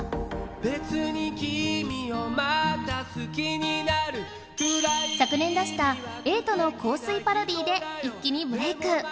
「別に君をまた好きになる」昨年出した瑛人の『香水』パロディで一気にブレイク